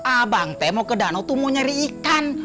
abang saya mau ke danau tuh mau nyari ikan